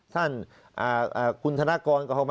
ท่านอาอ่าคุณธนกรก็เข้ามา